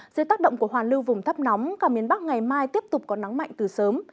dưới tác động của hoàn lưu vùng thấp nóng cả miền bắc ngày mai tiếp tục có nắng mạnh từ sớm